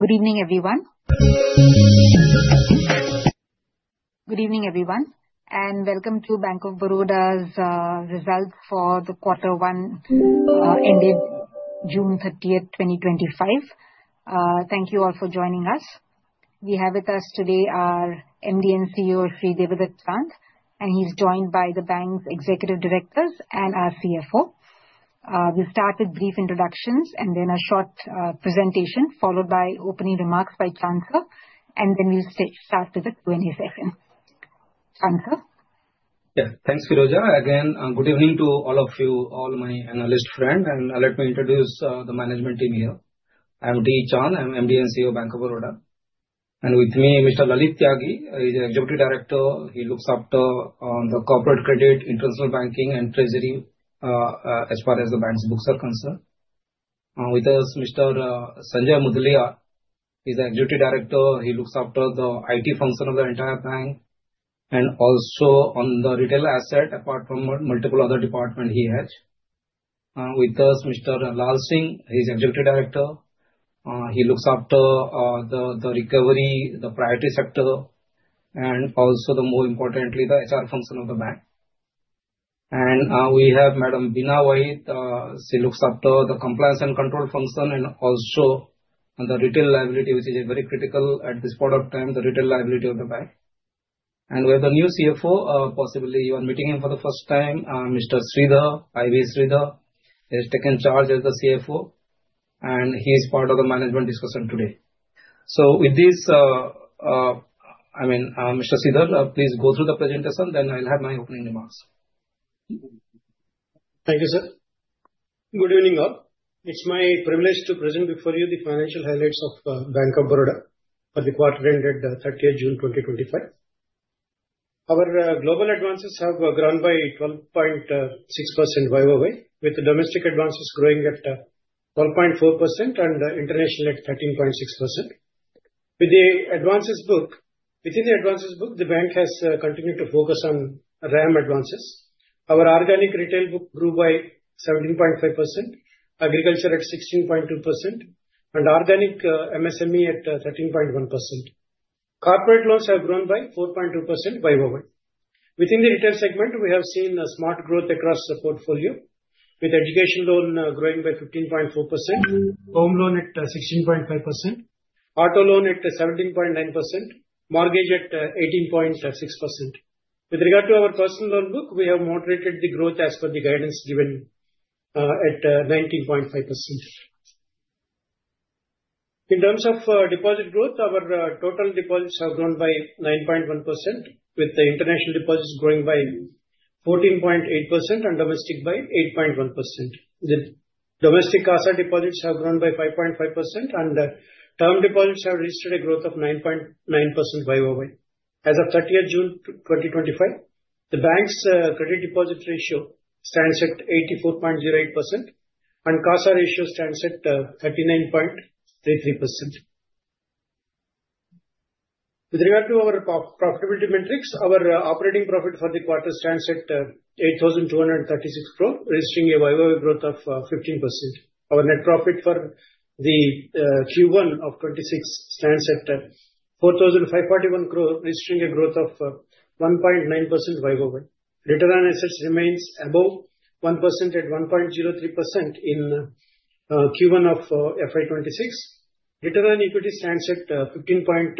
Good evening, everyone, and welcome to Bank of Baroda's results for the quarter one ended June 30th, 2025. Thank you all for joining us. We have with us today our MD and CEO, Shri Debadatta Chand, and he's joined by the bank's executive directors and our CFO. We'll start with brief introductions and then a short presentation, followed by opening remarks by Chand sir, and then we'll start with the Q&A session. Chand sir. Yeah, thanks, Phiroza. Again, good evening to all of you, all my analyst friends, and let me introduce the management team here. I'm D. Chand, I'm MD and CEO of Bank of Baroda, and with me, Mr. Lalit Tyagi, he's the Executive Director. He looks after the corporate credit, international banking, and treasury, as far as the bank's books are concerned. With us, Mr. Sanjay Mudaliar, he's the Executive Director. He looks after the IT function of the entire bank and also on the retail asset, apart from multiple other departments he has. With us, Mr. Lal Singh, he's the Executive Director. He looks after the recovery, the priority sector, and also, more importantly, the HR function of the bank. We have Madam Beena Vaheed. She looks after the compliance and control function and also the retail liability, which is very critical at this point of time, the retail liability of the bank. We have the new CFO, possibly you are meeting him for the first time, Mr. I.V. Sridhar, has taken charge as the CFO, and he is part of the management discussion today. With this, I mean, Mr. Sridhar, please go through the presentation, then I'll have my opening remarks. Thank you, sir. Good evening all. It's my privilege to present before you the financial highlights of Bank of Baroda for the quarter ended, 30th June 2025. Our global advances have grown by 12.6% YoY, with domestic advances growing at 12.4% and international at 13.6%. Within the advances book, the bank has continued to focus on RAM advances. Our organic retail book grew by 17.5%, agriculture at 16.2%, and organic MSME at 13.1%. Corporate loans have grown by 4.2% YoY. Within the retail segment, we have seen a smart growth across the portfolio, with education loan growing by 15.4%, home loan at 16.5%, auto loan at 17.9%, mortgage at 18.6%. With regard to our personal loan book, we have moderated the growth as per the guidance given, at 19.5%. In terms of deposit growth, our total deposits have grown by 9.1%, with the international deposits growing by 14.8% and domestic by 8.1%. The domestic CASA deposits have grown by 5.5%, and term deposits have registered a growth of 9.9% YoY. As of 30th June 2025, the bank's credit deposit ratio stands at 84.08%, and CASA ratio stands at 39.33%. With regard to our profitability metrics, our operating profit for the quarter stands at 8,236 crore, registering a YoY growth of 15%. Our net profit for the Q1 of 2026 stands at 4,541 crore rupees, registering a growth of 1.9% YoY. Return on assets remains above 1% at 1.03% in Q1 of FY 2026. Return on equity stands at 15.05%.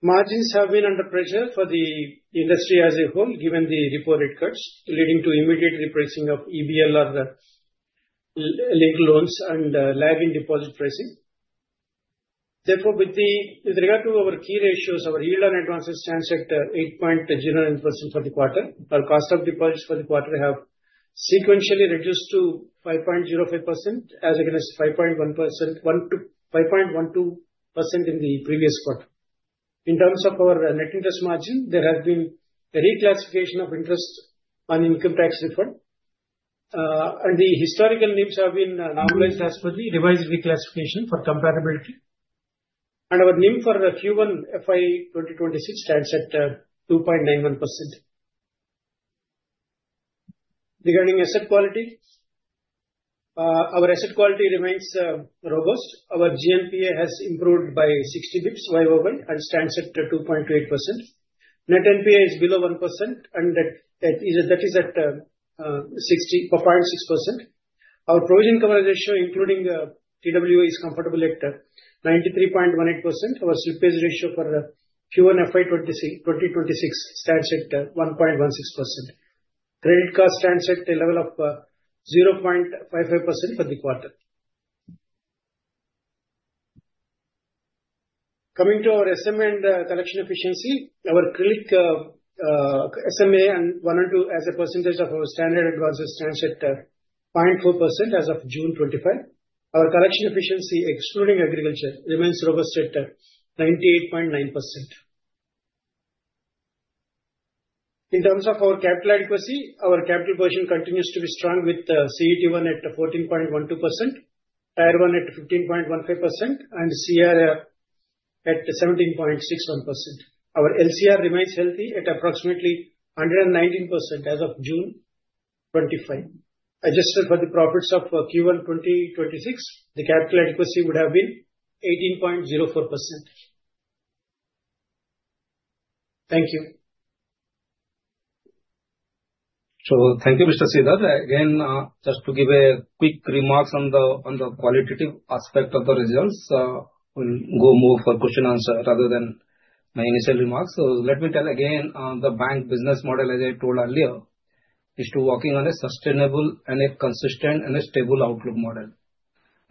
Margins have been under pressure for the industry as a whole, given the repo rate cuts, leading to immediate repricing of EBLR-linked loans and live-in deposit pricing. Therefore, with regard to our key ratios, our yield on advances stands at 8.09% for the quarter. Our cost of deposits for the quarter have sequentially reduced to 5.05%, as against 5.12% in the previous quarter. In terms of our net interest margin, there has been a reclassification of interest on income tax refund, and the historical NIMs have been normalized as per the revised reclassification for compatibility. Our NIM for Q1 FY 2026 stands at 2.91%. Regarding asset quality, our asset quality remains robust. Our GNPA has improved by 60 bps YoY and stands at 2.28%. Net NPA is below 1%, and that is at 0.64%. Our provision coverage ratio, including TWO, is comfortable at 93.18%. Our slippage ratio for Q1 FY 2026 stands at 1.16%. Credit cost stands at a level of 0.55% for the quarter. Coming to our SMA and collection efficiency, our CRILC SMA 1 and 2 as a percentage of our standard advances stands at 0.4% as of June 2025. Our collection efficiency, excluding agriculture, remains robust at 98.9%. In terms of our capital adequacy, our capital position continues to be strong, with CET1 at 14.12%, Tier 1 at 15.15%, and CRAR at 17.61%. Our LCR remains healthy at approximately 119% as of June 2025. Adjusted for the profits of Q1 2026, the capital adequacy would have been 18.04%. Thank you. Thank you, Mr. Sridhar. Again, just to give quick remarks on the qualitative aspect of the results, we'll go more for question and answer rather than my initial remarks. Let me tell you again, the bank business model, as I told earlier, is working on a sustainable and a consistent and a stable outlook model.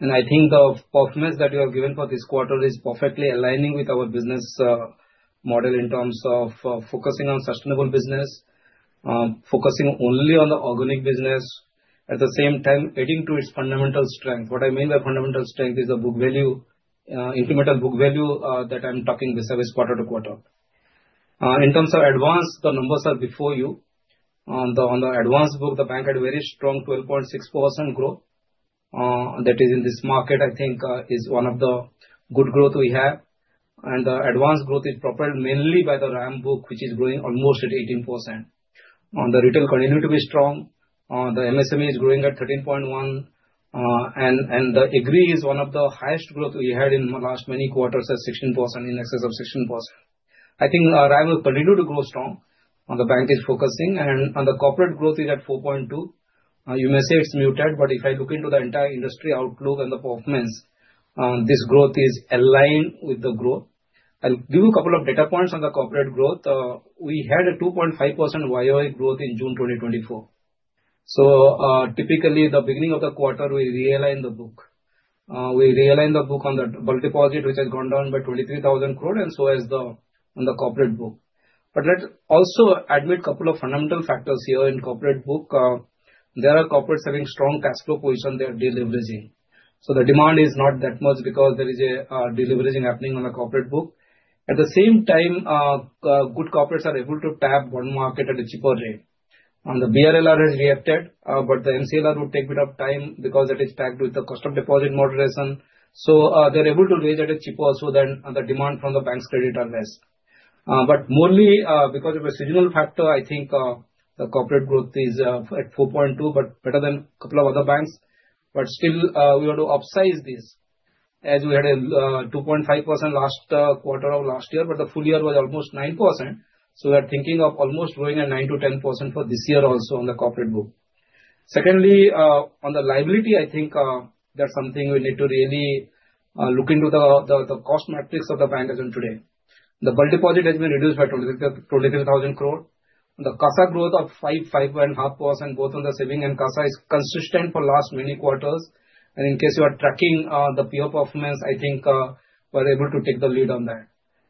I think the performance that you have given for this quarter is perfectly aligning with our business model in terms of focusing on sustainable business, focusing only on the organic business, at the same time adding to its fundamental strength. What I mean by fundamental strength is the book value, incremental book value, that I'm talking this service quarter to quarter. In terms of advance, the numbers are before you. On the advance book, the bank had very strong 12.6% growth. That is, in this market, I think, one of the good growths we have. The advance growth is propelled mainly by the RAM book, which is growing almost at 18%. The retail continued to be strong. The MSME is growing at 13.1%. The agri is one of the highest growths we had in the last many quarters, at 16%, in excess of 16%. I think RAM will continue to grow strong. The bank is focusing, and the corporate growth is at 4.2%. You may say it's muted, but if I look into the entire industry outlook and the performance, this growth is aligned with the growth. I'll give you a couple of data points on the corporate growth. We had a 2.5% YoY growth in June 2024. Typically, at the beginning of the quarter, we realign the book. We realign the book on the bulk deposit, which has gone down by 23,000 crore, and so has the corporate book. Let's also admit a couple of fundamental factors here in the corporate book. There are corporates having strong cash flow position, they are deleveraging. The demand is not that much because there is deleveraging happening on the corporate book. At the same time, good corporates are able to tap bond market at a cheaper rate. The BRLR has reacted, but the MCLR would take a bit of time because it is tagged with the custom deposit moderation. They're able to raise at a cheaper, so that the demand from the bank's creditors are less. Mostly, because of a seasonal factor, I think the corporate growth is at 4.2%, but better than a couple of other banks. Still, we want to upsize this as we had a 2.5% last quarter of last year, but the full year was almost 9%. We are thinking of almost growing at 9%-10% for this year also on the corporate book. Secondly, on the liability, I think that's something we need to really look into, the cost matrix of the bank as of today. The bulk deposit has been reduced by 23,000 crore. The CASA growth of 5.5%, both on the saving and CASA, is consistent for the last many quarters. In case you are tracking, the PO performance, I think, we're able to take the lead on that.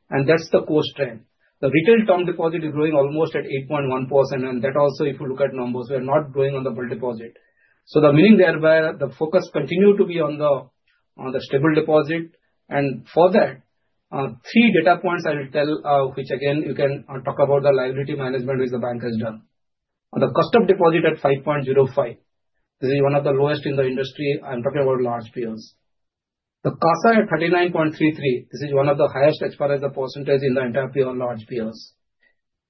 That is the cost trend. The retail term deposit is growing almost at 8.1%, and that also, if you look at numbers, we are not growing on the bulk deposit. The meaning thereby, the focus continued to be on the stable deposit. For that, three data points I will tell, which again, you can talk about the liability management which the bank has done. The custom deposit at 5.05%. This is one of the lowest in the industry. I'm talking about large POs. The CASA at 39.33%. This is one of the highest as far as the percentage in the entire PO, large POs.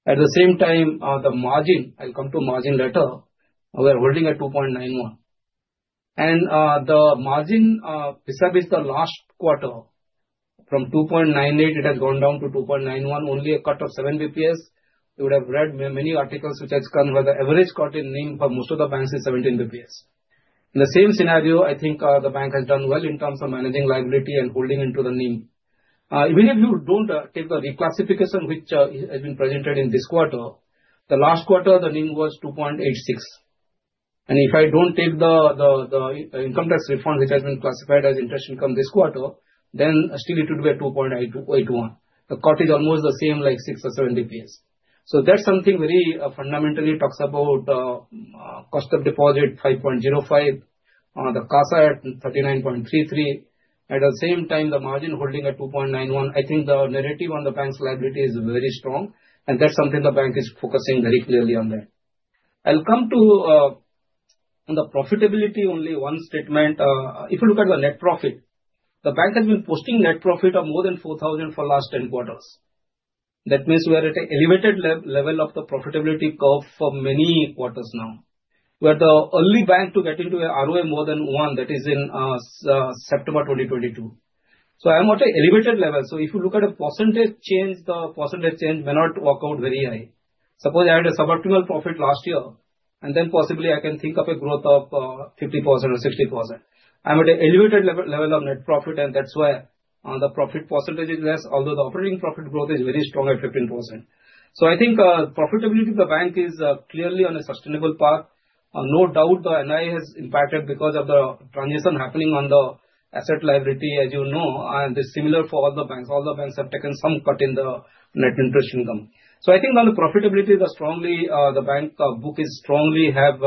At the same time, the margin, I'll come to margin later, we are holding at 2.91%. The margin, this is the last quarter. From 2.98%, it has gone down to 2.91%. Only a cut of 7 bps. You would have read many articles which have come where the average cut in NIM for most of the banks is 17 bps. In the same scenario, I think, the bank has done well in terms of managing liability and holding into the NIM. Even if you don't take the reclassification, which has been presented in this quarter, the last quarter, the NIM was 2.86%. If I don't take the income tax refund, which has been classified as interest income this quarter, then still it would be at 2.81%. The cut is almost the same, like 6 or 7 bps. That is something very fundamentally talks about, custom deposit 5.05%, the CASA at 39.33%. At the same time, the margin holding at 2.91%. I think the narrative on the bank's liability is very strong, and that is something the bank is focusing very clearly on. I'll come to, on the profitability, only one statement. If you look at the net profit, the bank has been posting net profit of more than 4,000 crore for the last 10 quarters. That means we are at an elevated level of the profitability curve for many quarters now. We are the only bank to get into an ROA more than one, that is in September 2022. So I'm at an elevated level. If you look at a percentage change, the percentage change may not work out very high. Suppose I had a suboptimal profit last year, and then possibly I can think of a growth of 50% or 60%. I'm at an elevated level of net profit, and that is why the profit percentage is less, although the operating profit growth is very strong at 15%. I think profitability of the bank is clearly on a sustainable path. No doubt the NI has impacted because of the transition happening on the asset liability, as you know, and it's similar for all the banks. All the banks have taken some cut in the net interest income. I think on the profitability, the bank book is strongly have,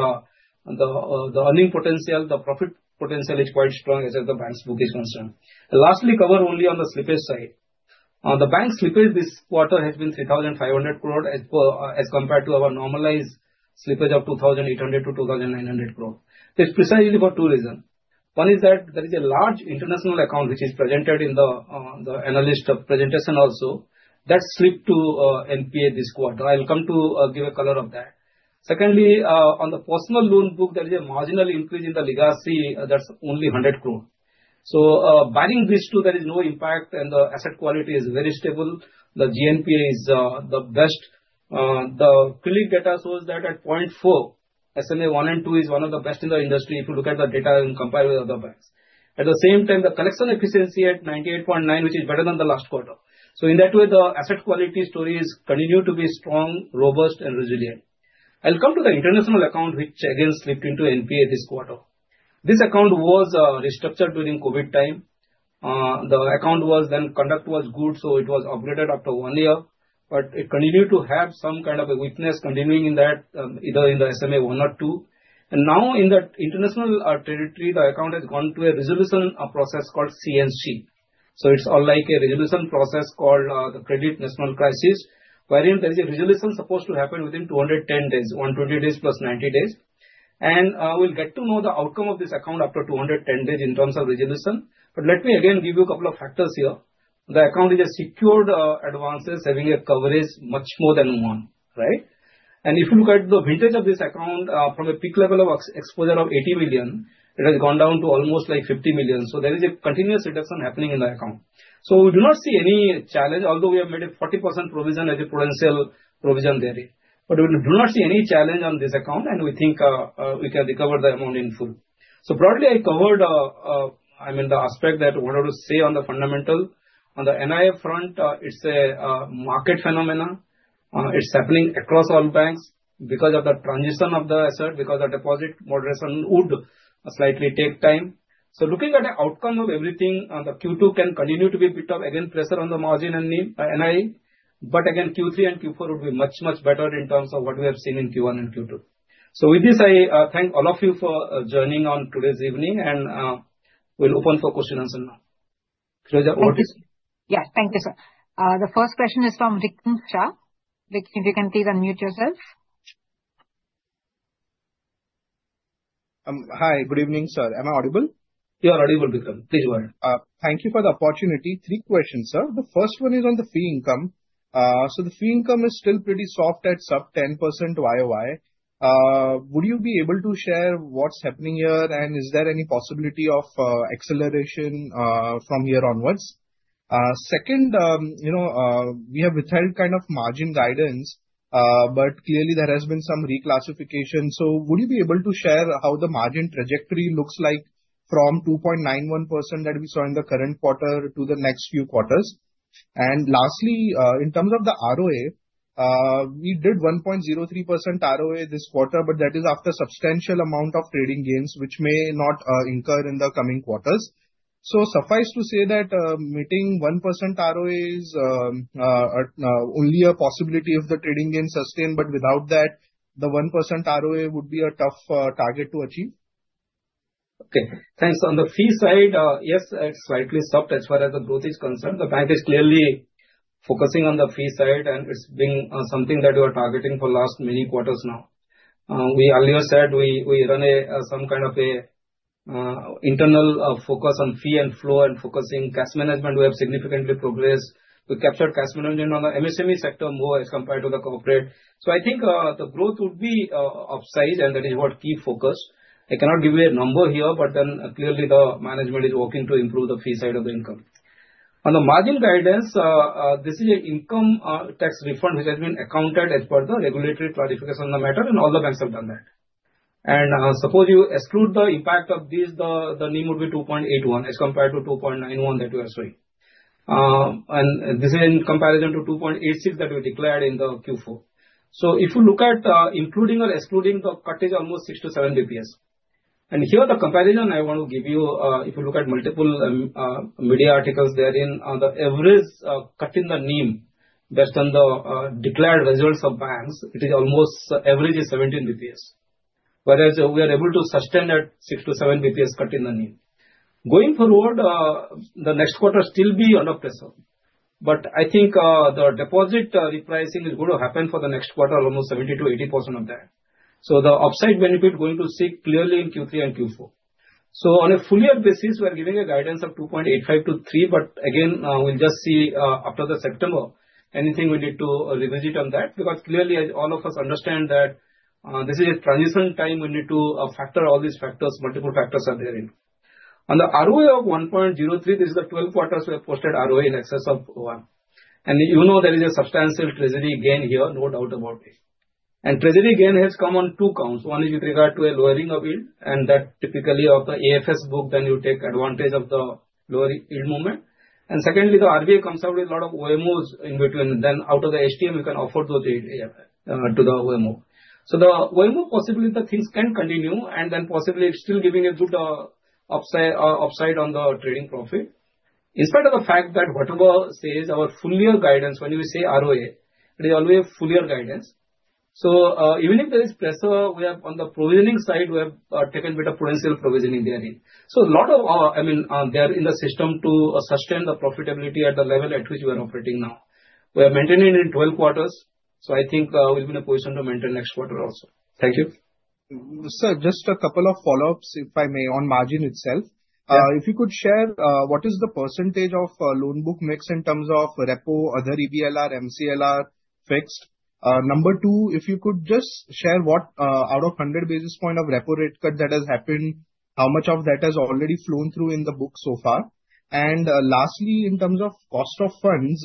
the earning potential, the profit potential is quite strong as the bank's book is concerned. Lastly, cover only on the slippage side. The bank's slippage this quarter has been 3,500 crore as compared to our normalized slippage of 2,800- 2,900 crore. That's precisely for two reasons. One is that there is a large international account which is presented in the analyst presentation also, that slipped to NPA this quarter. I'll come to give a color of that. Secondly, on the personal loan book, there is a marginal increase in the legacy that's only 100 crore. Barring these two, there is no impact, and the asset quality is very stable. The GNPA is the best. The credit data shows that at 0.4%, SMA1 and 2 is one of the best in the industry if you look at the data and compare with other banks. At the same time, the collection efficiency at 98.9%, which is better than the last quarter. In that way, the asset quality stories continue to be strong, robust, and resilient. I'll come to the international account, which again slipped into NPA this quarter. This account was restructured during COVID time. The account was then conduct was good, so it was upgraded after one year, but it continued to have some kind of a weakness continuing in that, either in the SMA1 or 2. Now in the international territory, the account has gone to a resolution process called CNC. It's all like a resolution process called the Credit National Crisis, wherein there is a resolution supposed to happen within 210 days, 120 days plus 90 days. We'll get to know the outcome of this account after 210 days in terms of resolution. Let me again give you a couple of factors here. The account is a secured advances having a coverage much more than one, right? If you look at the vintage of this account, from a peak level of exposure of 80 million, it has gone down to almost like 50 million. There is a continuous reduction happening in the account. We do not see any challenge, although we have made a 40% provision as a prudential provision there. We do not see any challenge on this account, and we think we can recover the amount in full. Broadly, I covered the aspect that I wanted to say on the fundamental. On the NIM front, it's a market phenomenon. It's happening across all banks because of the transition of the asset, because the deposit moderation would slightly take time. Looking at the outcome of everything, Q2 can continue to be a bit of, again, pressure on the margin and NIM, but again, Q3 and Q4 would be much, much better in terms of what we have seen in Q1 and Q2. With this, I thank all of you for joining on today's evening, and we'll open for question and answer now. Yes, thank you, sir. The first question is from [Vikrant] Shah. [Vikrant], if you can please unmute yourself. Hi, good evening, sir. Am I audible? You're audible, [Vikrant]. Please go ahead. Thank you for the opportunity. Three questions, sir. The first one is on the fee income. So the fee income is still pretty soft at sub 10% YoY. Would you be able to share what's happening here, and is there any possibility of acceleration from here onwards? Second, you know, we have withheld kind of margin guidance, but clearly there has been some reclassification. Would you be able to share how the margin trajectory looks like from 2.91% that we saw in the current quarter to the next few quarters? And lastly, in terms of the ROA, we did 1.03% ROA this quarter, but that is after a substantial amount of trading gains, which may not incur in the coming quarters. Suffice to say that meeting 1% ROA is only a possibility if the trading gains sustain, but without that, the 1% ROA would be a tough target to achieve. Okay, thanks. On the fee side, yes, it's slightly soft as far as the growth is concerned. The bank is clearly focusing on the fee side, and it's being something that we are targeting for the last many quarters now. We earlier said we run a, some kind of a internal focus on fee and flow and focusing cash management. We have significantly progressed. We captured cash management on the MSME sector more as compared to the corporate. I think the growth would be upsized, and that is what keeps focus. I cannot give you a number here, but then clearly the management is working to improve the fee side of the income. On the margin guidance, this is an income tax refund which has been accounted as per the regulatory clarification on the matter, and all the banks have done that. Suppose you exclude the impact of this, the NIM would be 2.81% as compared to 2.91% that we are showing. This is in comparison to 2.86% that we declared in Q4. If you look at, including or excluding the cut, it is almost 6 bps-7 bps. The comparison I want to give you, if you look at multiple media articles therein, the average cut in the NIM based on the declared results of banks, the average is 17 bps. Whereas we are able to sustain at 6 bps-7 bps cut in the NIM. Going forward, the next quarter will still be under pressure. I think the deposit repricing is going to happen for the next quarter, almost 70%-80% of that. The upside benefit is going to see clearly in Q3 and Q4. On a full-year basis, we are giving a guidance of 2.85%-3%, but again, we'll just see after September, anything we need to revisit on that because clearly as all of us understand, this is a transition time, we need to factor all these factors, multiple factors are therein. On the ROA of 1.03%, this is the 12 quarters we have posted ROA in excess of one. You know there is a substantial treasury gain here, no doubt about it. Treasury gain has come on two counts. One is with regard to a lowering of yield, and that typically of the AFS book, then you take advantage of the lowering yield movement. Secondly, the RBI comes out with a lot of OMOs in between. Then out of the STM, you can offer those yield to the OMO. The OMO possibly the things can continue, and then possibly it's still giving a good upside on the trading profit. In spite of the fact that whatever says, our full-year guidance when we say ROA, it is always full-year guidance. Even if there is pressure, we have on the provisioning side, we have taken a bit of prudential provisioning therein. A lot of, I mean, they are in the system to sustain the profitability at the level at which we are operating now. We are maintaining in 12 quarters. Lastly, in terms of cost of funds,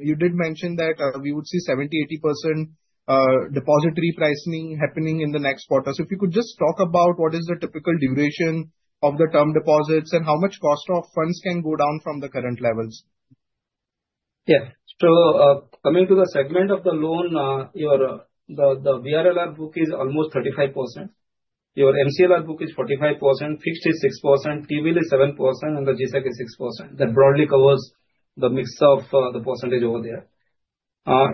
you did mention that we would see 70%,80% depository pricing happening in the next quarter. If you could just talk about what is the typical duration of the term deposits and how much cost of funds can go down from the current levels. Yeah, so coming to the segment of the loan, your BRLR book is almost 35%. Your MCLR book is 45%, fixed is 6%, TVL is 7%, and the GSEC is 6%. That broadly covers the mix of the percentage over there.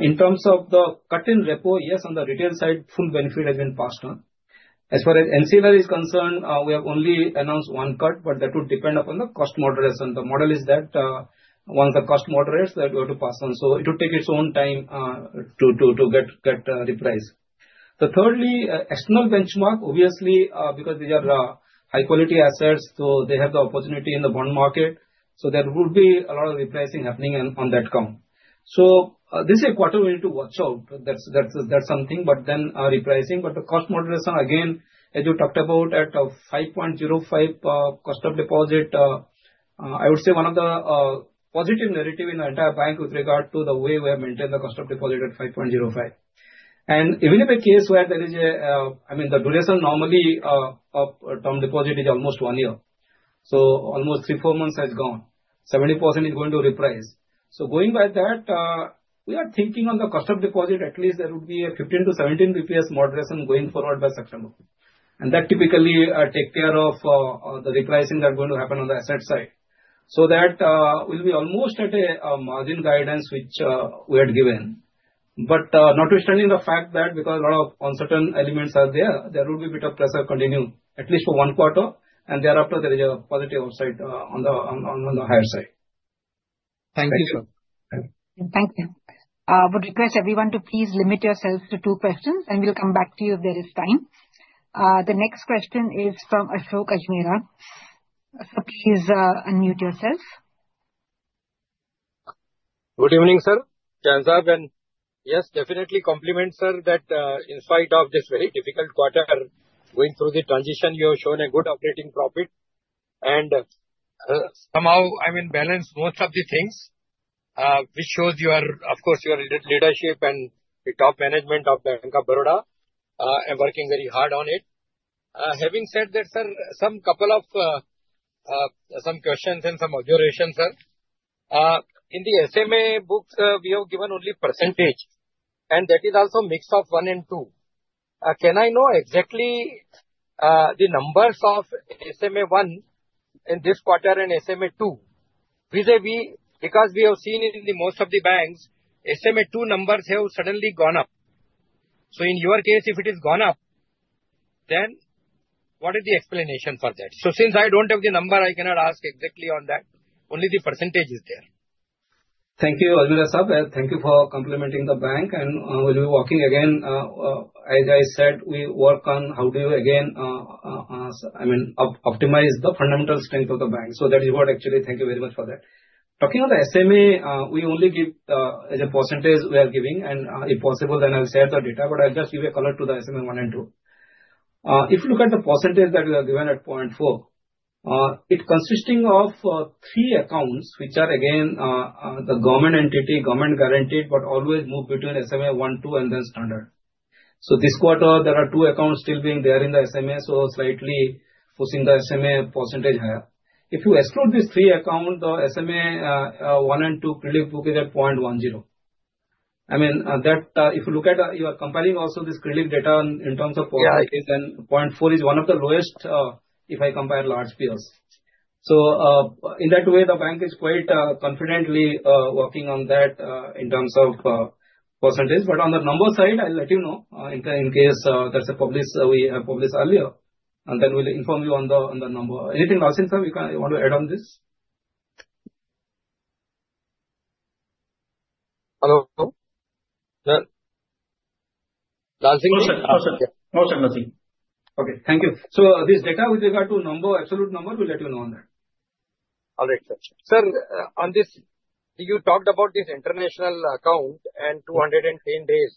In terms of the cut in repo, yes, on the retail side, full benefit has been passed on. As far as MCLR is concerned, we have only announced one cut, but that would depend upon the cost moderation. The model is that once the cost moderates, that we have to pass on. It would take its own time to get repriced. Thirdly, external benchmark, obviously, because these are high-quality assets, so they have the opportunity in the bond market. There would be a lot of repricing happening on that count. This is a quarter we need to watch out. That's something, but then repricing. The cost moderation, again, as you talked about at a 5.05% cost of deposit, I would say one of the positive narrative in our entire bank with regard to the way we have maintained the cost of deposit at 5.05%. Even in the case where there is a, I mean, the duration normally of term deposit is almost one year. Almost three-four months has gone. 70% is going to reprice. Going by that, we are thinking on the cost of deposit, at least there would be a 15 bps-17 bps moderation going forward by September. That typically takes care of the repricing that is going to happen on the asset side. That will be almost at a margin guidance which we had given. Notwithstanding the fact that because a lot of uncertain elements are there, there would be a bit of pressure continue, at least for one quarter. Thereafter, there is a positive upside on the higher side. Thank you, sir. Thank you. I would request everyone to please limit yourselves to two questions, and we'll come back to you if there is time. The next question is from Ashok Ajmera. Please unmute yourself. Good evening, sir. Thanks, sir. Yes, definitely compliment, sir, that in spite of this very difficult quarter, going through the transition, you have shown a good operating profit. Somehow, I mean, balanced most of the things, which shows your, of course, your leadership and the top management of Bank of Baroda, and working very hard on it. Having said that, sir, a couple of questions and some observations, sir. In the SMA book, we have given only percentage, and that is also a mix of one and two. Can I know exactly the numbers of SMA1 in this quarter and SMA2? Because we have seen in most of the banks, SMA2 numbers have suddenly gone up. In your case, if it has gone up, what is the explanation for that? Since I do not have the number, I cannot ask exactly on that. Only the percentage is there. Thank you, Ajmera sir. Thank you for complimenting the bank. We'll be walking again. As I said, we work on how to, again, I mean, optimize the fundamental strength of the bank. That is what actually, thank you very much for that. Talking on the SMA, we only give as a percentage we are giving. If possible, then I'll share the data, but I'll just give a color to the SMA1 and 2. If you look at the percentage that we are given at 0.4%. It consists of three accounts, which are again the government entity, government guaranteed, but always move between SMA1, 2, and then standard. This quarter, there are two accounts still being there in the SMA, so slightly pushing the SMA percentage higher. If you exclude these three accounts, the SMA1 and 2 credit book is at 0.10%. I mean, if you look at, you are comparing also this credit data in terms of percentage, then 0.4% is one of the lowest if I compare large peers. In that way, the bank is quite confidently working on that in terms of percentage. On the number side, I'll let you know in case there's a publish we have published earlier, and then we'll inform you on the number. Anything, Lal Singh sir, you want to add on this? Hello. Sir? Lal Singh? No, sir. Nothing. Okay. Thank you. So this data with regard to number, absolute number, we'll let you know on that. All right, sir. Sir, on this, you talked about this international account and 210 days,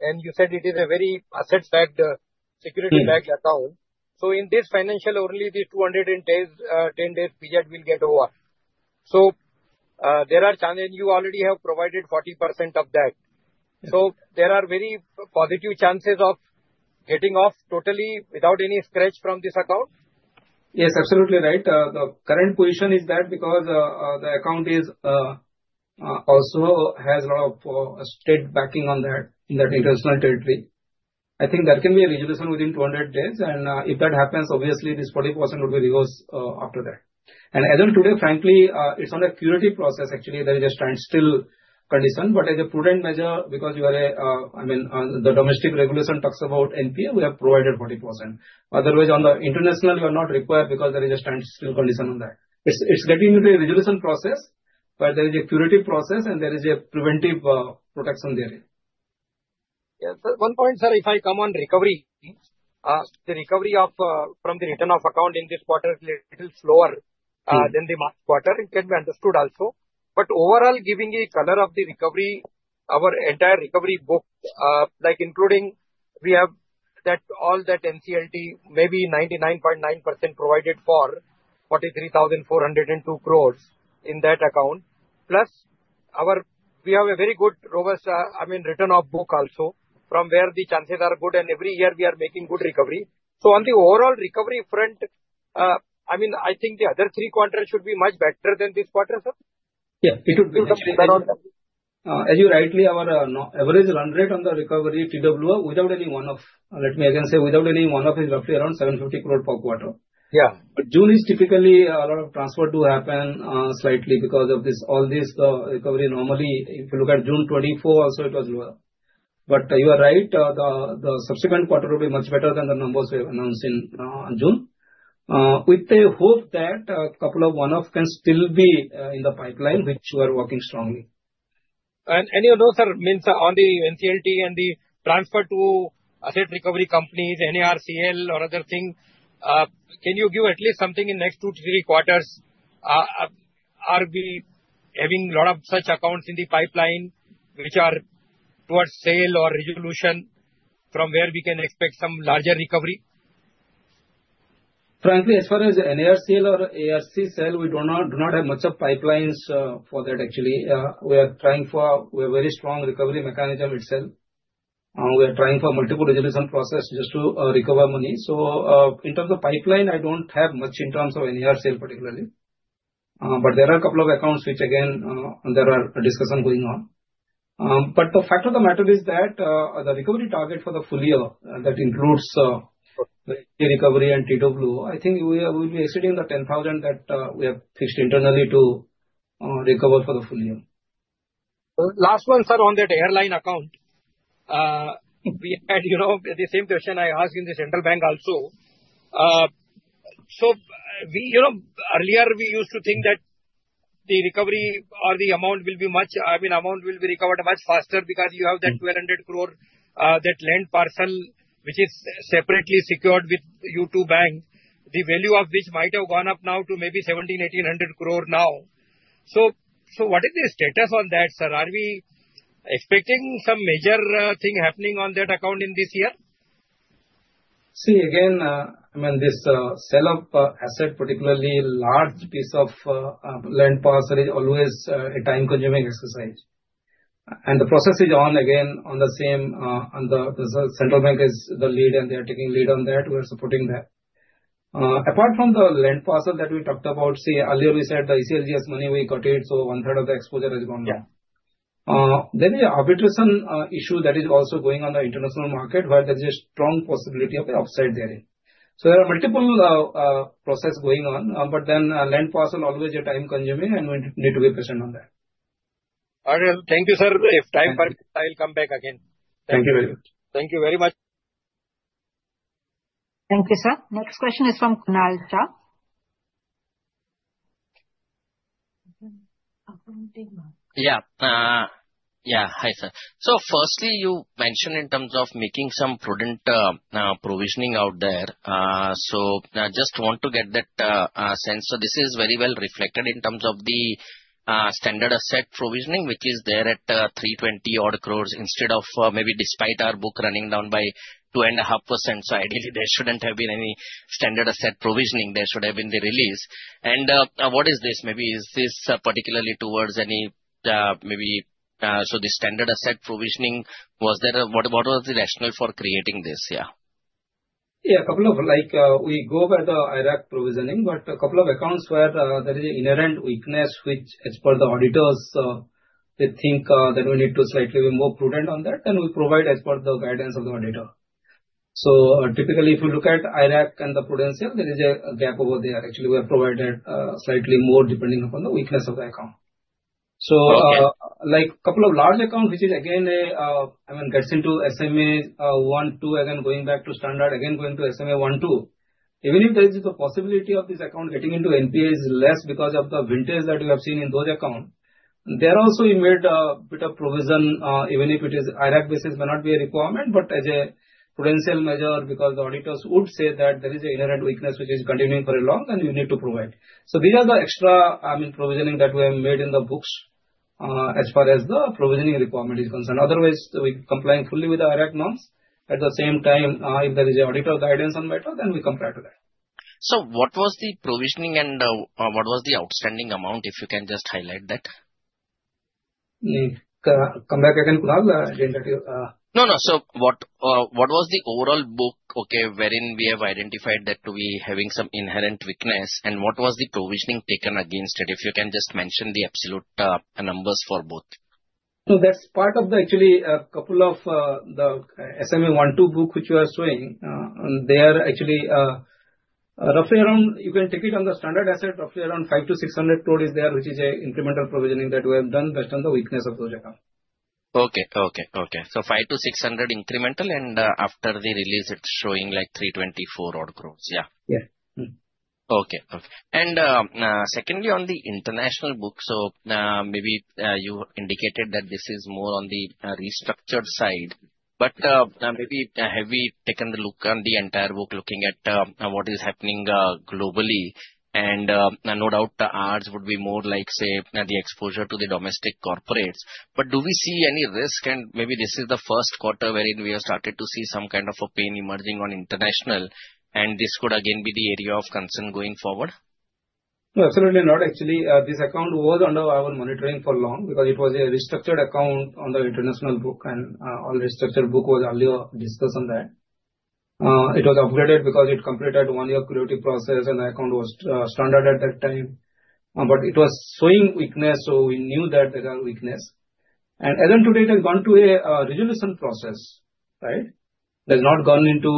and you said it is a very asset-backed, security-backed account. In this financial, only the 210 days period will get over. There are chances, and you already have provided 40% of that. There are very positive chances of getting off totally without any scratch from this account? Yes, absolutely right. The current position is that because the account is, also has a lot of state backing on that in that international territory. I think there can be a resolution within 200 days, and if that happens, obviously this 40% would be reversed after that. As of today, frankly, it's on a curative process, actually. There is a standstill condition, but as a prudent measure, because you are a, I mean, the domestic regulation talks about NPA, we have provided 40%. Otherwise, on the international, you are not required because there is a standstill condition on that. It's getting into a resolution process, but there is a curative process, and there is a preventive protection there. Yes, sir. One point, sir, if I come on recovery. The recovery from the written-off account in this quarter is a little slower than the March quarter, it can be understood also. Overall, giving a color of the recovery, our entire recovery book, like including we have that all that NCLT maybe 99.9% provided for 43,402 crore in that account. Plus, we have a very good, robust, I mean, written-off book also from where the chances are good, and every year we are making good recovery. On the overall recovery front, I mean, I think the other three quarters should be much better than this quarter, sir? Yeah, it would be better. As you rightly, our average run rate on the recovery TWO without any one-off, let me again say, without any one-off is roughly around 750 crore per quarter. Yeah, but June is typically a lot of transfer to happen slightly because of this, all this recovery. Normally, if you look at June 2024, also it was lower. You are right, the subsequent quarter will be much better than the numbers we have announced in June. With the hope that a couple of one-off can still be in the pipeline, which we are working strongly. You know, sir, on the NCLT and the transfer to asset recovery companies, NARCL or other things, can you give at least something in the next two to three quarters? Are we having a lot of such accounts in the pipeline which are towards sale or resolution from where we can expect some larger recovery? Frankly, as far as NARCL or ARC sell, we do not have much of pipelines for that, actually. We are trying for a very strong recovery mechanism itself. We are trying for multiple resolution processes just to recover money. In terms of pipeline, I do not have much in terms of NARCL particularly. There are a couple of accounts which, again, there are discussions going on. The fact of the matter is that the recovery target for the full year, that includes the recovery and TW, I think we will be exceeding the 10,000 that we have fixed internally to recover for the full year. Last one, sir, on that airline account. We had, you know, the same question I asked in the Central Bank also. Earlier, we used to think that the recovery or the amount will be much, I mean, amount will be recovered much faster because you have that 1,200 crore, that land parcel, which is separately secured with you two banks, the value of which might have gone up now to maybe 1,700, 1,800 crore now. What is the status on that, sir? Are we expecting some major thing happening on that account in this year? See, again, I mean, this sale of asset, particularly large piece of land parcel, is always a time-consuming exercise. The process is on again on the same, and the Central Bank is the lead, and they are taking lead on that. We are supporting that. Apart from the land parcel that we talked about, see, earlier we said the ECLGS money, we got it, so one-third of the exposure has gone down. The arbitration issue that is also going on the international market, where there is a strong possibility of the upside therein. There are multiple processes going on, but then land parcel is always time-consuming, and we need to be patient on that. All right, thank you, sir. If time permits, I'll come back again. Thank you very much. Thank you very much. Thank you, sir. Next question is from Kunal Shah. Yeah. Yeah, hi, sir. Firstly, you mentioned in terms of making some prudent provisioning out there. I just want to get that sense. This is very well reflected in terms of the standard asset provisioning, which is there at 320 crore odd instead of maybe despite our book running down by 2.5%. Ideally, there should not have been any standard asset provisioning. There should have been the release. What is this? Maybe is this particularly towards any, maybe, so the standard asset provisioning, was there, what was the rationale for creating this? Yeah. Yeah, a couple of, like, we go by the IRAC provisioning, but a couple of accounts where there is an inherent weakness, which as per the auditors, they think that we need to slightly be more prudent on that, then we provide as per the guidance of the auditor. Typically, if you look at IRAC and the prudential, there is a gap over there. Actually, we have provided slightly more depending upon the weakness of the account. Like a couple of large accounts, which is again, I mean, gets into SMA1, 2, again, going back to standard, again going to SMA1, 2. Even if there is the possibility of this account getting into NPA is less because of the vintage that you have seen in those accounts, there also, we made a bit of provision, even if it is IRAC basis, may not be a requirement, but as a prudential measure because the auditors would say that there is an inherent weakness, which is continuing for a long, and we need to provide. These are the extra, I mean, provisioning that we have made in the books as far as the provisioning requirement is concerned. Otherwise, we comply fully with the IRAC norms. At the same time, if there is an auditor guidance on matter, then we comply to that. What was the provisioning and what was the outstanding amount, if you can just highlight that? Come back again, Kunal, the interview. No, no. So what was the overall book, okay, wherein we have identified that we are having some inherent weakness, and what was the provisioning taken against it, if you can just mention the absolute numbers for both? That's part of the actually a couple of the SMA1, 2 book which you are showing. They are actually. Roughly around, you can take it on the standard asset, roughly around 500 crore-600 crore there, which is an incremental provisioning that we have done based on the weakness of those accounts. Okay, okay, okay. So 500 crore-600 crore incremental, and after the release, it's showing like 324 crore, yeah? Yeah. Okay, okay. Secondly, on the international book, maybe you indicated that this is more on the restructured side, but maybe have we taken a look on the entire book looking at what is happening globally? No doubt the odds would be more like, say, the exposure to the domestic corporates. Do we see any risk, and maybe this is the first quarter wherein we have started to see some kind of a pain emerging on international, and this could again be the area of concern going forward? No, absolutely not, actually. This account was under our monitoring for long because it was a restructured account on the international book, and all restructured book was earlier discussed on that. It was upgraded because it completed one-year curative process, and the account was standard at that time. It was showing weakness, so we knew that there are weaknesses. As of today, it has gone to a resolution process, right? It has not gone into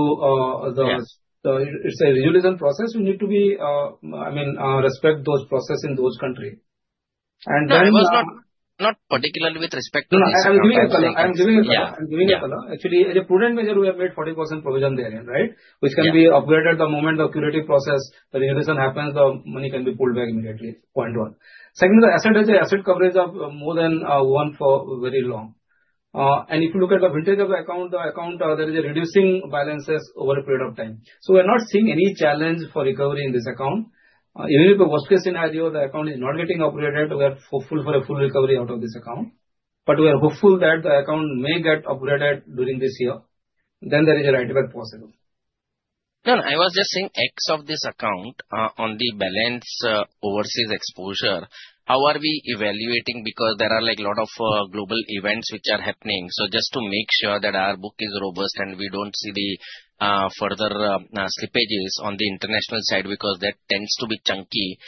the—it's a resolution process. We need to be, I mean, respect those processes in those countries. Not particularly with respect to this. I'm giving a color. Actually, as a prudent measure, we have made 40% provision therein, right? Which can be upgraded at the moment the curative process, the resolution happens, the money can be pulled back immediately, point one. Secondly, the asset has an asset coverage of more than one for very long. And if you look at the vintage of the account, there is a reducing balance over a period of time. We are not seeing any challenge for recovery in this account. Even if the worst case scenario, the account is not getting upgraded, we are hopeful for a full recovery out of this account. We are hopeful that the account may get upgraded during this year. There is a right back possible. No, I was just saying X of this account on the balance overseas exposure, how are we evaluating because there are like a lot of global events which are happening. Just to make sure that our book is robust and we do not see further slippages on the international side because that tends to be chunky.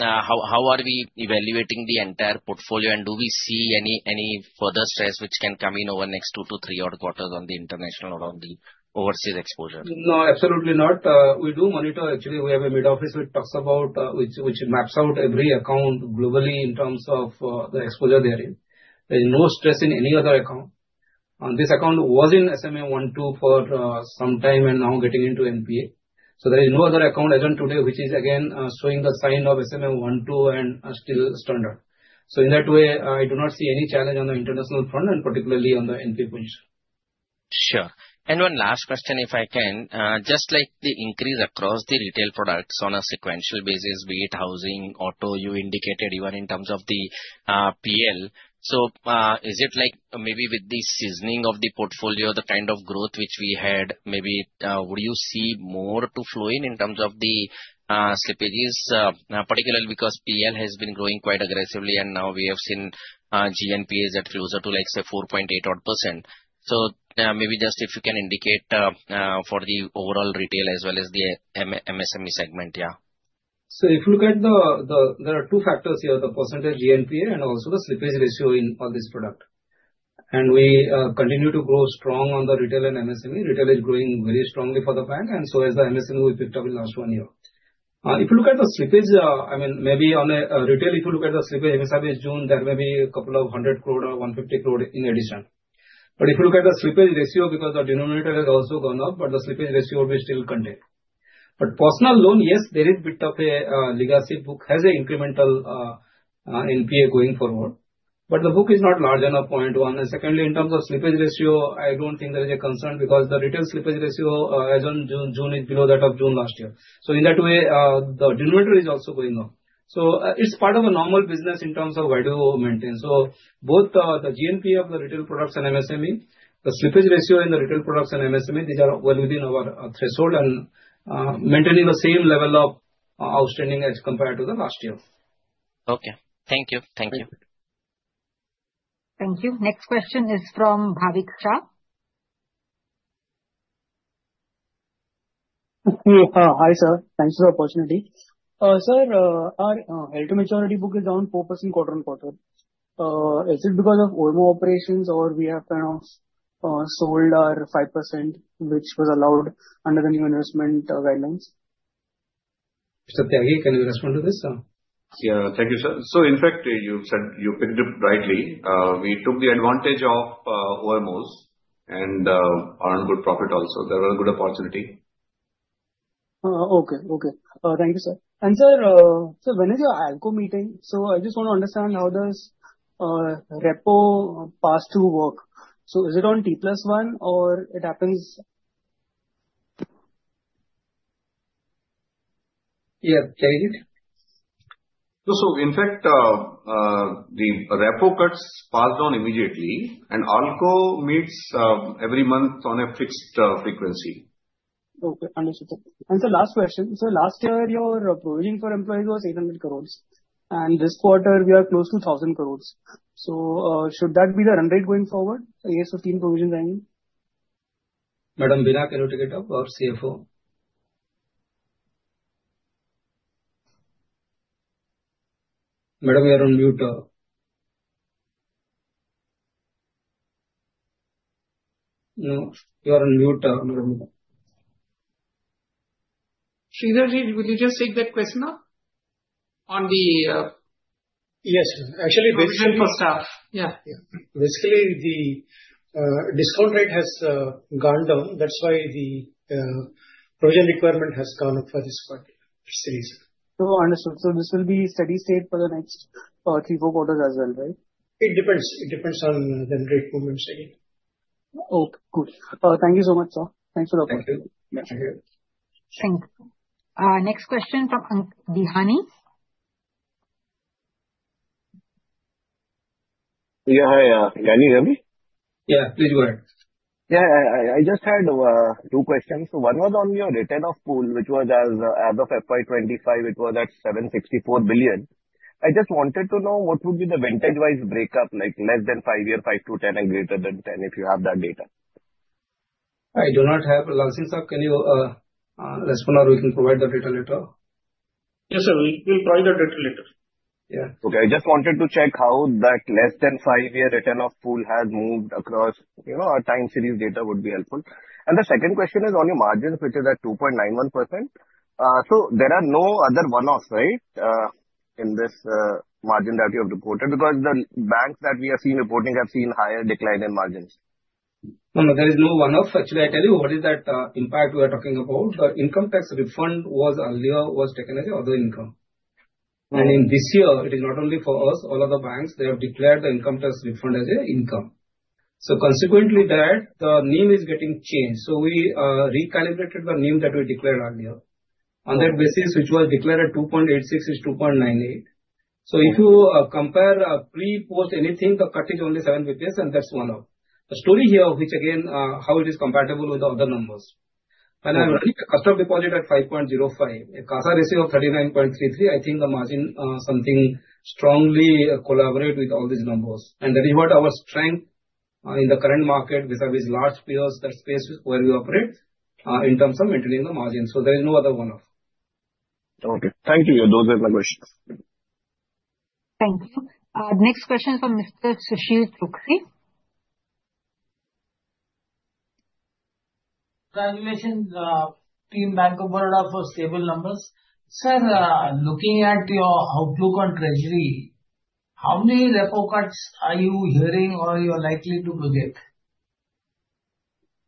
How are we evaluating the entire portfolio and do we see any further stress which can come in over the next two to three odd quarters on the international or on the overseas exposure? No, absolutely not. We do monitor, actually. We have a mid-office which talks about, which maps out every account globally in terms of the exposure therein. There is no stress in any other account. This account was in SMA1, 2 for some time and now getting into NPA. There is no other account as of today which is again showing the sign of SMA1, 2 and still standard. In that way, I do not see any challenge on the international front and particularly on the NPA position. Sure. One last question, if I can. Just like the increase across the retail products on a sequential basis, be it housing, auto, you indicated even in terms of the PL. Is it like maybe with the seasoning of the portfolio, the kind of growth which we had, maybe would you see more to flow in in terms of the slippages, particularly because PL has been growing quite aggressively and now we have seen GNPAs at closer to, like, say, 4.8% odd. Maybe just if you can indicate for the overall retail as well as the MSME segment, yeah. If you look at the, there are two factors here, the percentage GNPA and also the slippage ratio in all this product. We continue to grow strong on the retail and MSME. Retail is growing very strongly for the bank and so is the MSME we picked up in the last one year. If you look at the slippage, I mean, maybe on the retail, if you look at the slippage, MSME is June, there may be a couple of 100 crore or INR I150 crore in addition. If you look at the slippage ratio, because the denominator has also gone up, the slippage ratio will be still contained. Personal loan, yes, there is a bit of a legacy book has an incremental NPA going forward. The book is not large enough, point one. Secondly, in terms of slippage ratio, I do not think there is a concern because the retail slippage ratio as of June is below that of June last year. In that way, the denominator is also going up. It is part of a normal business in terms of what you maintain. Both the GNPA of the retail products and MSME, the slippage ratio in the retail products and MSME, these are well within our threshold and maintaining the same level of outstanding as compared to the last year. Okay, thank you, thank you. Thank you. Next question is from Bhavik Shah. Hi, sir. Thanks for the opportunity. Sir, our L2 maturity book is down 4% quarter on quarter. Is it because of OMO operations or we have kind of sold our 5% which was allowed under the new investment guidelines? Tyagi, can you respond to this? Yeah, thank you, sir. In fact, you said you picked it rightly. We took the advantage of OMOs and earned good profit also. There was a good opportunity. Okay, okay. Thank you, sir. And sir, when is your ALCO meeting? I just want to understand how does repo pass-through work? Is it on T+1 or it happens? Yeah, Tyagi? In fact, the repo cuts pass down immediately and ALCO meets every month on a fixed frequency. Okay, understood. Sir, last question. Sir, last year your provision for employees was 800 crores. This quarter, we are close to 1,000 crores. Should that be the run rate going forward? AS 15 provisions are in? Madam, [Beena Vaheed], our CFO. Madam, you are on mute. No, you are on mute, Madam. Sridharji, will you just take that question up? On the. Yes, actually, basically. Provision for staff, yeah. Basically, the discount rate has gone down. That's why the provision requirement has gone up for this quarter. That's the reason. No, understood. This will be steady state for the next three, four quarters as well, right? It depends. It depends on the rate movements again. Okay, good. Thank you so much, sir. Thanks for the opportunity. Thank you. Thank you. Next question from [Bihani]. Yeah, hi. Can you hear me? Yeah, please go ahead. Yeah, I just had two questions. One was on your return of pool, which was as of FY 2025, it was at 764 billion. I just wanted to know what would be the vintage-wise breakup, like less than five years, five to 10, and greater than 10 if you have that data. I do not have a Lal Singh, Sahib. Can you respond or we can provide the data later? Yes, sir. We will provide the data later. Yeah. Okay, I just wanted to check how that less than five-year return of pool has moved across. You know, a time series data would be helpful. The second question is on your margins, which is at 2.91%. There are no other one-offs, right, in this margin that you have reported? Because the banks that we have seen reporting have seen higher decline in margins. No, there is no one-off. Actually, I tell you, what is that impact we are talking about? The income tax refund was earlier taken as other income. In this year, it is not only for us, all of the banks, they have declared the income tax refund as an income. Consequently, the name is getting changed. We recalibrated the name that we declared earlier. On that basis, which was declared at 2.86, is 2.98. If you compare pre-post anything, the cut is only 7 bps, and that's one-off. The story here, which again, how it is compatible with the other numbers. When I run a customer deposit at 5.05, a CASA ratio of 39.33, I think the margin something strongly collaborates with all these numbers. That is what our strength in the current market vis-à-vis large peers, the space where we operate in terms of maintaining the margin. There is no other one-off. Okay, thank you. Those are the questions. Thank you. Next question is from Mr. Sushil [Choksi]. As you mentioned, Team Bank of Baroda for stable numbers. Sir, looking at your outlook on treasury, how many repo cuts are you hearing or you are likely to project?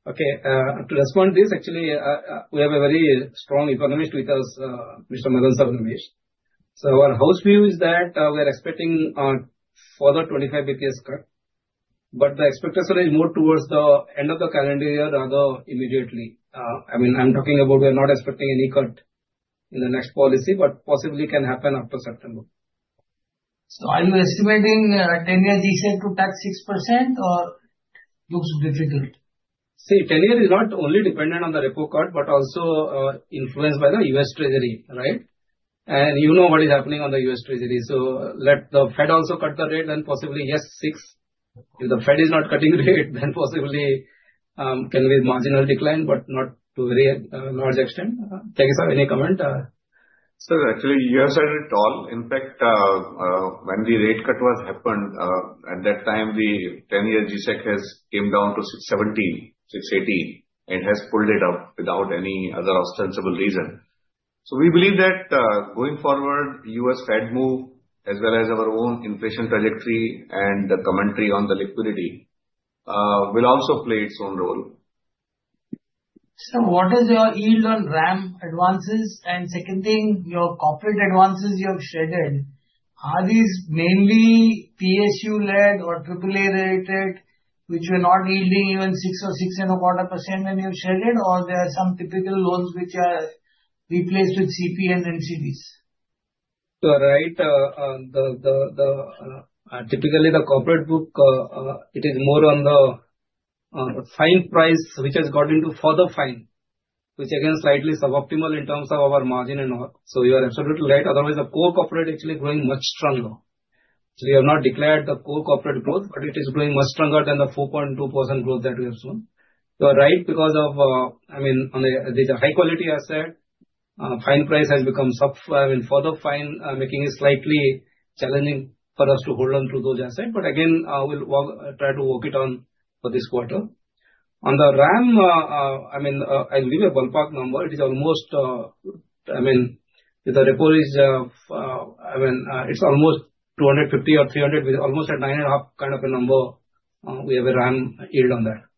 Okay, to respond to this, actually, we have a very strong economist with us, Mr. Madan Sarvamesh. So our house view is that we are expecting a further 25 bps cut. But the expectation is more towards the end of the calendar year rather than immediately. I mean, I'm talking about we are not expecting any cut in the next policy, but possibly can happen after September. Are you estimating 10-year G-Sec to touch 6% or looks difficult? See, 10-year is not only dependent on the repo cut, but also influenced by the U.S. Treasury, right? You know what is happening on the U.S. Treasury. Let the Fed also cut the rate, then possibly yes, six. If the Fed is not cutting rate, then possibly can be a marginal decline, but not to a very large extent. Tyagi, any comment? Sir, actually, you have said it all. In fact, when the rate cut was happened, at that time, the 10-year GSEC came down to 6.70, 6.80, and has pulled it up without any other ostensible reason. We believe that going forward, U.S. Fed move, as well as our own inflation trajectory and the commentary on the liquidity, will also play its own role. Sir, what is your yield on RAM advances? Second thing, your corporate advances you have shed, are these mainly PSU-led or AAA rated, which you are not yielding even 6% or 6.25% when you shed it, or are there some typical loans which are replaced with CP and NCDs? You are right. Typically, the corporate book, it is more on the fine price, which has got into further fine, which again is slightly suboptimal in terms of our margin and all. You are absolutely right. Otherwise, the core corporate is actually growing much stronger. We have not declared the core corporate growth, but it is growing much stronger than the 4.2% growth that we have shown. You are right because of, I mean, these are high-quality assets. Fine price has become sub, I mean, further fine, making it slightly challenging for us to hold on to those assets. Again, we will try to work it on for this quarter. On the RAM, I mean, I will give you a ballpark number. It is almost, I mean, with the repo, I mean, it is almost 250 or 300, almost at 9.5 kind of a number. We have a RAM yield on that.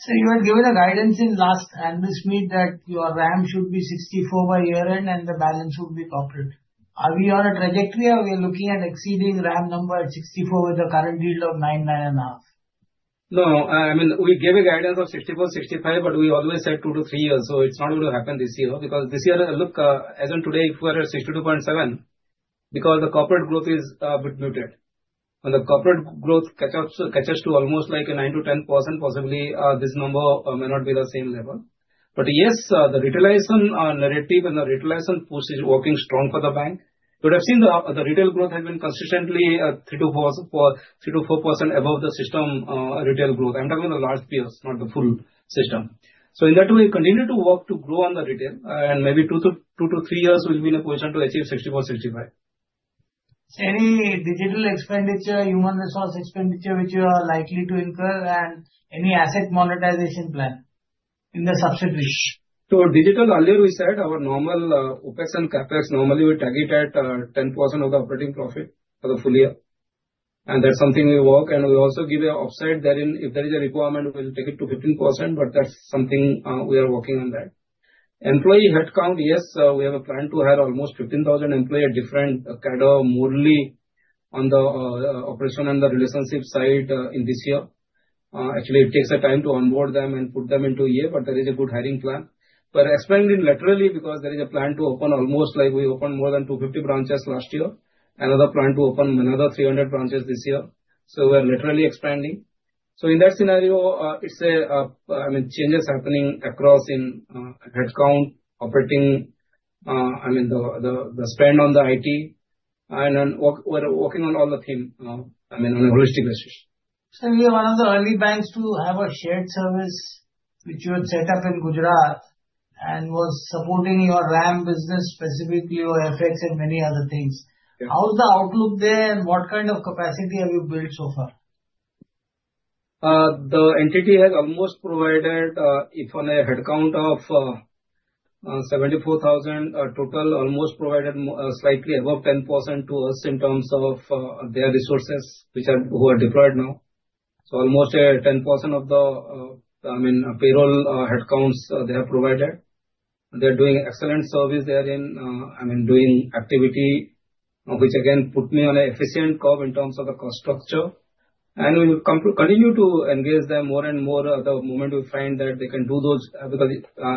Sir, you had given a guidance in last analyst meet that your RAM should be 64 by year-end and the balance would be corporate. Are we on a trajectory or we are looking at exceeding RAM number at 64 with the current yield of 9, 9.5? No, I mean, we gave a guidance of 64-65, but we always said two to three years. It is not going to happen this year because this year, look, as of today, if we are at 62.7, because the corporate growth is a bit muted. When the corporate growth catches to almost like 9%-10%, possibly this number may not be at the same level. Yes, the retail narrative and the retail push is working strong for the bank. You would have seen the retail growth has been consistently 3%-4% above the system retail growth. I am talking about the large peers, not the full system. In that way, continue to work to grow on the retail, and maybe two to three years will be in a position to achieve 64-65. Sir, any digital expenditure, human resource expenditure which you are likely to incur, and any asset monetization plan in the subsidiary? Digital, earlier we said our normal OpEx and CapEx, normally we tag it at 10% of the operating profit for the full year. That's something we work, and we also give an offside. If there is a requirement, we'll take it to 15%, but that's something we are working on. Employee headcount, yes, we have a plan to hire almost 15,000 employees, a different kind of mode on the operation and the relationship side in this year. Actually, it takes time to onboard them and put them into a year, but there is a good hiring plan. Expanding literally because there is a plan to open almost like we opened more than 250 branches last year, another plan to open another 300 branches this year. We are literally expanding. In that scenario, it's a, I mean, changes happening across in headcount, operating. I mean, the spend on the IT, and then we're working on all the theme, I mean, on a holistic basis. Sir, you are one of the early banks to have a shared service which you had set up in Gujarat and was supporting your RAM business specifically or FX and many other things. How's the outlook there, and what kind of capacity have you built so far? The entity has almost provided on a headcount of 74,000 total, almost provided slightly above 10% to us in terms of their resources which are deployed now. So almost 10% of the, I mean, payroll headcounts they have provided. They are doing excellent service there in, I mean, doing activity which again put me on an efficient curve in terms of the cost structure. We will continue to engage them more and more the moment we find that they can do those because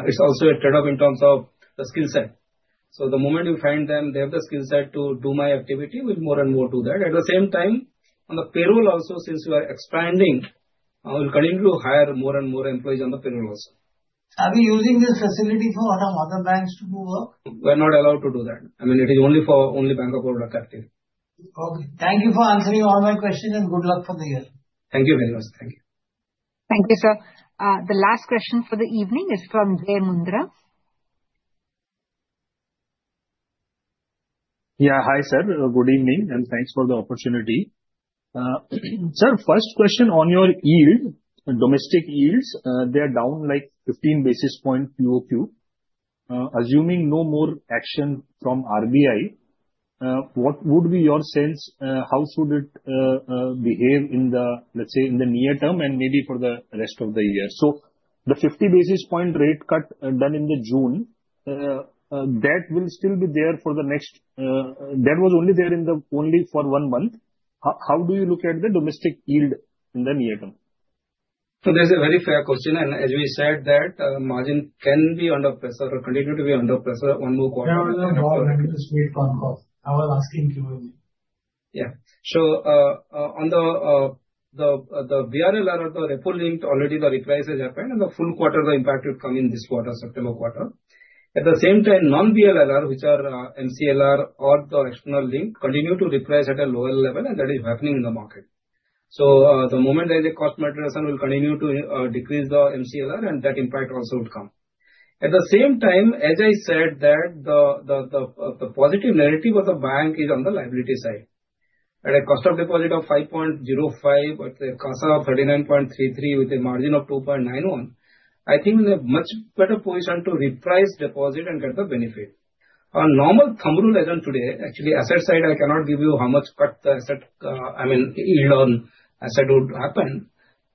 it's also a trade-off in terms of the skill set. The moment we find them they have the skill set to do my activity, we'll more and more do that. At the same time, on the payroll also, since we are expanding, we'll continue to hire more and more employees on the payroll also. Are we using this facility for other banks to do work? We are not allowed to do that. I mean, it is only for only Bank of Baroda, Kartik. Okay, thank you for answering all my questions and good luck for the year. Thank you very much. Thank you. Thank you, sir. The last question for the evening is from Jay Mundra. Yeah, hi sir. Good evening and thanks for the opportunity. Sir, first question on your yield, domestic yields, they are down like 15 basis points QoQ. Assuming no more action from RBI. What would be your sense how should it behave in the, let's say, in the near term and maybe for the rest of the year? The 50 basis point rate cut done in June, that will still be there for the next, that was only there in the only for one month. How do you look at the domestic yield in the near term? That's a very fair question. As we said, that margin can be under pressure or continue to be under pressure one more quarter. I was asking you. Yeah. So on the BRLR or the Repo linked, already the reprices happened and the full quarter, the impact will come in this quarter, September quarter. At the same time, non-BRLR, which are MCLR or the external link, continue to reprice at a lower level and that is happening in the market. The moment as the cost moderation will continue to decrease the MCLR and that impact also would come. At the same time, as I said, the positive narrative of the bank is on the liability side. At a cost of deposit of 5.05 with a CASA of 39.33% with a margin of 2.91%, I think in a much better position to reprice deposit and get the benefit. On normal thumb rule as of today, actually, asset side, I cannot give you how much cut the asset, I mean, yield on asset would happen.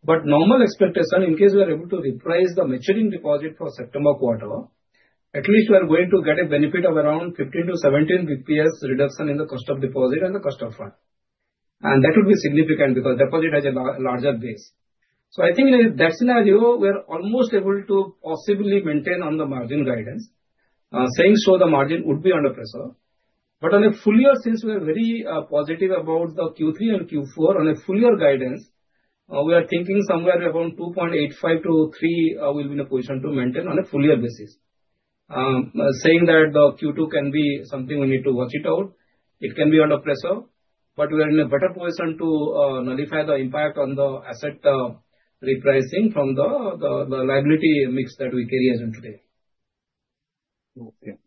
Normal expectation, in case we are able to reprice the maturing deposit for September quarter, at least we are going to get a benefit of around 15 bps-17 bps reduction in the cost of deposit and the cost of fund. That would be significant because deposit has a larger base. I think in that scenario, we are almost able to possibly maintain on the margin guidance. Saying so, the margin would be under pressure. On a full year, since we are very positive about the Q3 and Q4, on a full year guidance, we are thinking somewhere around 2.85%-3% will be in a position to maintain on a full year basis. Saying that the Q2 can be something we need to watch it out. It can be under pressure. We are in a better position to nullify the impact on the asset repricing from the liability mix that we carry as of today. Okay.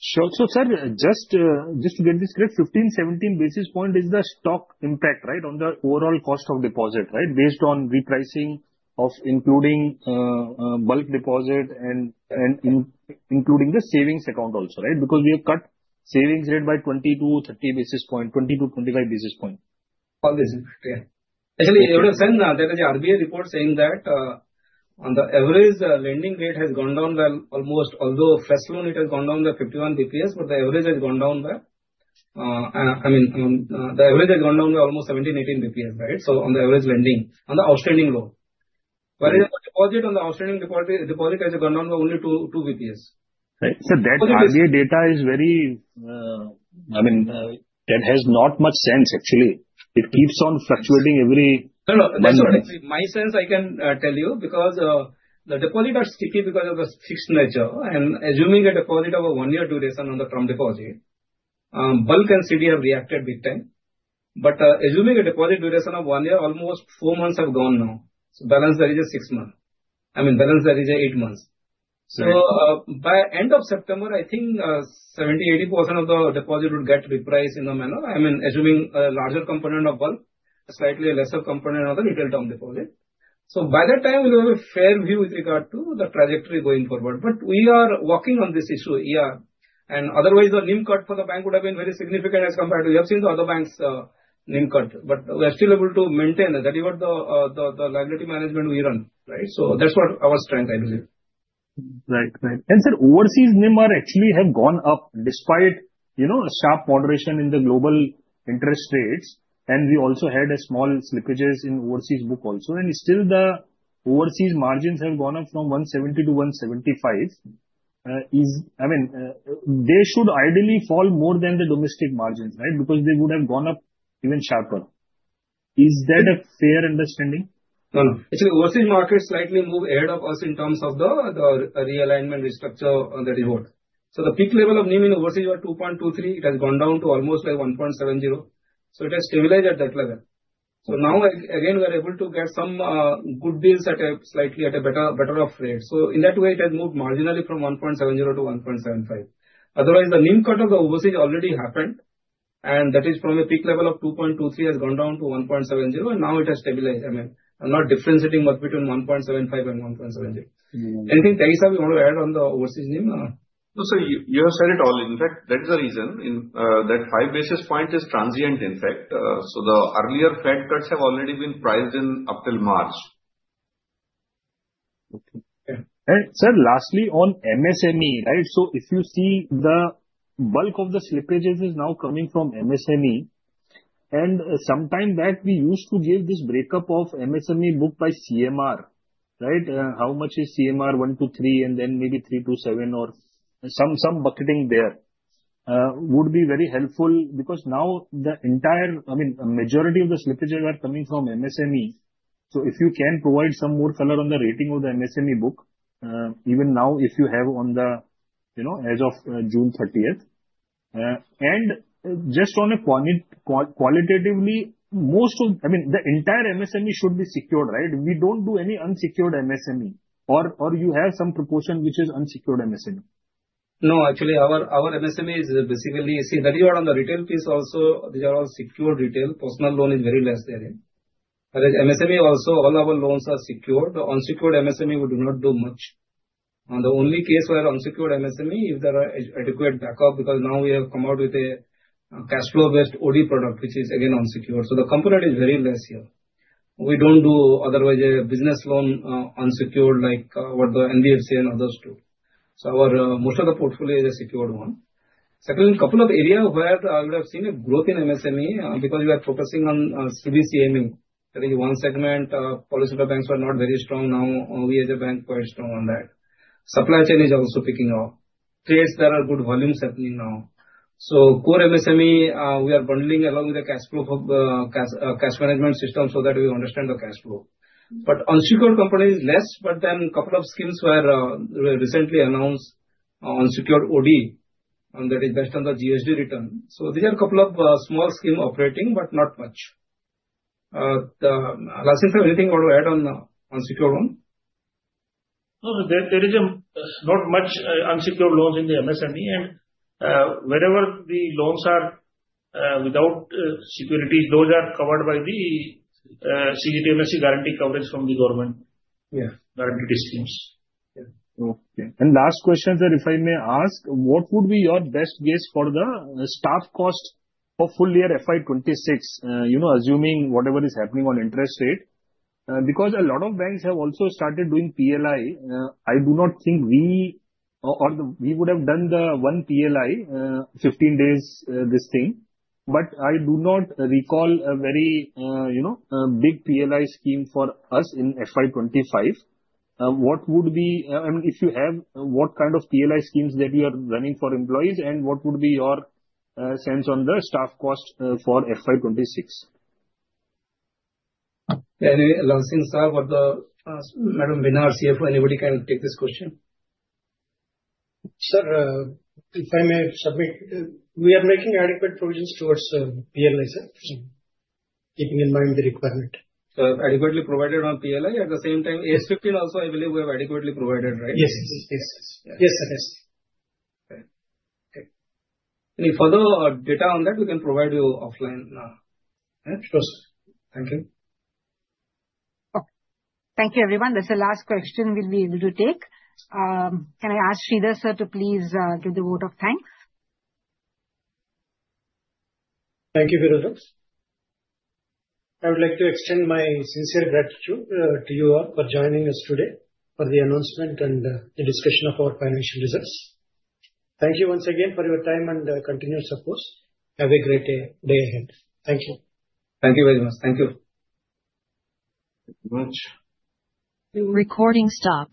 So, sir, just to get this clear, 15,17 basis points is the stock impact, right, on the overall cost of deposit, right, based on repricing of including bulk deposit and including the savings account also, right? Because we have cut savings rate by 20 basis points-30 basis points, 20 basis points-25 basis points. Obviously, yeah. Actually, you would have said that there is an RBI report saying that. On the average, lending rate has gone down, almost, although first loan it has go, ne down by 51 bps, but the average has gone down by, I mean, the average has gone down by almost 17,18 bps, right? On the average lending, on the outstanding loan. Whereas the deposit on the outstanding deposit has gone down by only 2 bps. Right. So that RBI data is very, I mean, that has not much sense, actually. It keeps on fluctuating every. No, no. That's not it. My sense, I can tell you, because the deposits are sticky because of the fixed nature. And assuming a deposit of a one-year duration on the term deposit. Bulk and CD have reacted big time. But assuming a deposit duration of one year, almost four months have gone now. So balance that is a six month. I mean, balance that is eight months. By end of September, I think 70%-80% of the deposit would get repriced in the manner. I mean, assuming a larger component of bulk, slightly a lesser component of the retail term deposit. By that time, we will have a fair view with regard to the trajectory going forward. We are working on this issue, yeah. Otherwise, the NIM cut for the bank would have been very significant as compared to, you have seen the other banks' NIM cut. We are still able to maintain that. That is what the liability management we run, right? That's what our strength, I believe. Right, right. And sir, overseas NIM are actually have gone up despite sharp moderation in the global interest rates. We also had small slippages in overseas book also. Still, the overseas margins have gone up from 170 to 175. I mean, they should ideally fall more than the domestic margins, right? Because they would have gone up even sharper. Is that a fair understanding? Actually, overseas markets slightly moved ahead of us in terms of the realignment restructure on the reward. The peak level of NIM in overseas was 2.23. It has gone down to almost like 1.70. It has stabilized at that level. Now, again, we are able to get some good deals at a slightly better off rate. In that way, it has moved marginally from 1.70 to 1.75. Otherwise, the NIM cut of the overseas already happened. That is from a peak level of 2.23, has gone down to 1.70, and now it has stabilized. I mean, I'm not differentiating much between 1.75 and 1.70. Anything, Tyagi, you want to add on the overseas NIM? No, sir, you have said it all. In fact, that is the reason that five basis point is transient, in fact. The earlier Fed cuts have already been priced in up till March. Okay. Sir, lastly on MSME, right? If you see, the bulk of the slippages is now coming from MSME. Sometime back, we used to give this breakup of MSME book by CMR, right? How much is CMR one to three and then maybe three to seven or some bucketing there. Would be very helpful because now the entire, I mean, majority of the slippages are coming from MSME. If you can provide some more color on the rating of the MSME book, even now if you have on the, as of June 30th. Just on a quantitative basis, most of, I mean, the entire MSME should be secured, right? We do not do any unsecured MSME. Or do you have some proportion which is unsecured MSME? No, actually, our MSME is basically, see, that you are on the retail piece also, these are all secured retail. Personal loan is very less there. Whereas MSME also, all our loans are secured. The unsecured MSME, we do not do much. The only case where unsecured MSME, if there are adequate backup, because now we have come out with a cash flow-based OD product, which is again unsecured. So the component is very less here. We do not do otherwise a business loan unsecured like what the NBFC and others do. Most of the portfolio is a secured one. Secondly, a couple of areas where I would have seen a growth in MSME because we are focusing on CBCME. That is one segment. Policy banks were not very strong. Now, we as a bank are quite strong on that. Supply chain is also picking up. Trades that are good volumes happening now. Core MSME, we are bundling along with the cash flow of cash management system so that we understand the cash flow. Unsecured companies less, but then a couple of schemes were recently announced on secured OD, and that is based on the GST return. These are a couple of small schemes operating, but not much. Lastly, sir, anything you want to add on the unsecured one? No, there is not much unsecured loans in the MSME. Wherever the loans are without securities, those are covered by the CGTMSE guarantee coverage from the government guaranteed schemes. Okay. Last question, sir, if I may ask, what would be your best guess for the staff cost for full year FY 2026? Assuming whatever is happening on interest rate, because a lot of banks have also started doing PLI, I do not think we, or we would have done the one PLI, 15 days this thing. I do not recall a very big PLI scheme for us in FY 2025. What would be, I mean, if you have, what kind of PLI schemes that you are running for employees, and what would be your sense on the staff cost for FY 2026? Anyway, Lal Singh, sir, what the Madam Beena, CFO, anybody can take this question? Sir, if I may submit, we are making adequate provisions towards PLI, sir. Keeping in mind the requirement. Adequately provided on PLI at the same time, AS 15 also, I believe we have adequately provided, right? Yes, yes. Yes, sir. Yes. Okay. Any further data on that, we can provide you offline. Sure, sir. Thank you. Okay. Thank you, everyone. That's the last question we'll be able to take. Can I ask Sridhar, sir, to please give the vote of thanks? Thank you, Phiroza. I would like to extend my sincere gratitude to you all for joining us today for the announcement and the discussion of our financial results. Thank you once again for your time and continued support. Have a great day ahead. Thank you. Thank you very much. Thank you. Thank you very much. Recording stop.